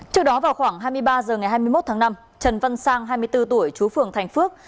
trước đó vào khoảng hai mươi ba h ngày hai mươi một tháng năm trần văn sang hai mươi bốn tuổi chú phường thành phước